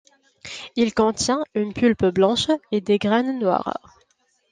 Il contient une pulpe blanche et des graines noires.